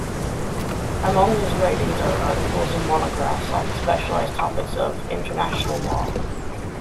Among his writings are articles and monographs on the specialized topics of international law.